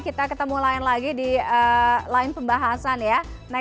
kita ketemu lain lagi di lain pembahasan ya